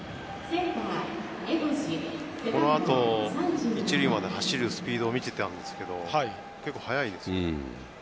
このあと一塁まで走るスピードを見ていたんですけど結構速いですよ。